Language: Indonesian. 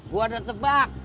gue ada tebak